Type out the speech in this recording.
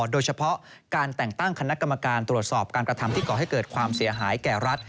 โดยเฉพาะการแต่งตั้งคณะกรรมการตรวจสอบการกระทำที่ก่อให้เกิดความเสียหายแก่รัฐ